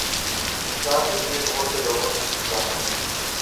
انسان زندگی میں بہت سے لوگوں سے سیکھتا ہے